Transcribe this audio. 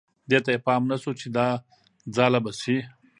دې ته یې پام نه شو چې دا ځاله به شي.